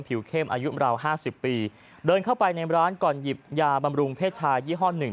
เข้มอายุราวห้าสิบปีเดินเข้าไปในร้านก่อนหยิบยาบำรุงเพศชายยี่ห้อหนึ่ง